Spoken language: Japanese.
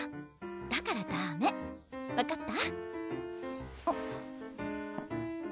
だからダメ分かった？